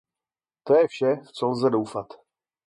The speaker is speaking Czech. To je vše, v co lze doufat.